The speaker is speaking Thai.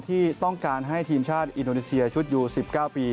ที่ต้องการให้ทีมชาติอินโดนีเซียชุดยู๑๙ปี